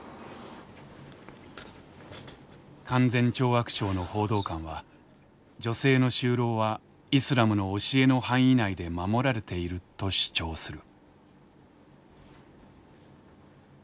勧善懲悪省の報道官は「女性の就労はイスラムの教えの範囲内で守られている」と主張する。